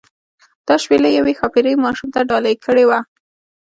دا شپیلۍ یوې ښاپیرۍ ماشوم ته ډالۍ کړې وه.